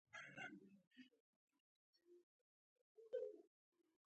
د صداقت عمل د عزت نښه ده.